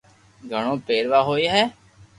گھڙو پيروا ھوئي ھي